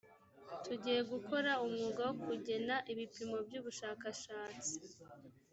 tugiye gukora umwuga wo kugena ibipimo byubushakashatsi